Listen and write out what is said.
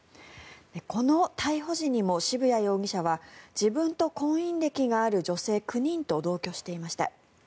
この逮捕時にも渋谷容疑者は自分と婚姻歴がある女性９人と同居していました。